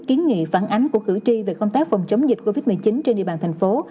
kiến nghị phản ánh của cử tri về công tác phòng chống dịch covid một mươi chín trên địa bàn thành phố